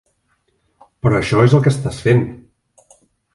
Però això és el que estàs fent.